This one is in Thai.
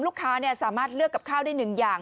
ลูกค้าสามารถเลือกกับข้าวได้หนึ่งอย่าง